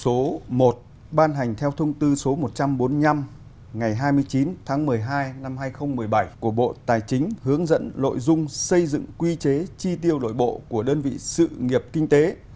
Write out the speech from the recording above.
chức danh lãnh đạo số một ban hành theo thông tư số một trăm bốn mươi năm ngày hai mươi chín tháng một mươi hai năm hai nghìn một mươi bảy của bộ tài chính hướng dẫn lội dung xây dựng quy chế chi tiêu đổi bộ của đơn vị sự nghiệp kinh tế